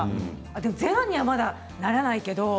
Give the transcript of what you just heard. でもゼロにはならないけど。